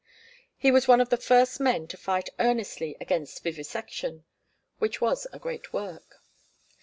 He was one of the first men to fight earnestly against vivisection which was a great work.